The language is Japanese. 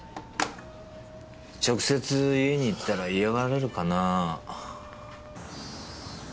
直接家に行ったら嫌がられるかなぁ。